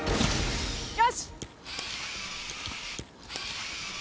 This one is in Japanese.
よし！